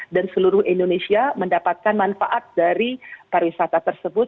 dan seluruh indonesia mendapatkan manfaat dari pariwisata tersebut